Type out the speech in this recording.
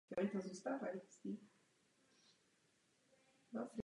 Pro sebe a své přívržence měl požadovat povolení ke kázání.